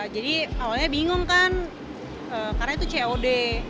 jadi awalnya bingung kan karena itu cod